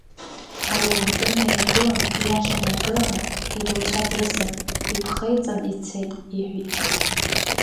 Ари ауардын наиргылан, иахьа наргыланы, идауцәа дрысын, иԥхеиҵан ицет, иҳәит.